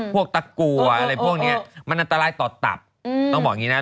ตะกัวอะไรพวกนี้มันอันตรายต่อตับต้องบอกอย่างนี้นะ